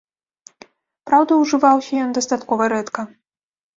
Праўда, ужываўся ён дастаткова рэдка.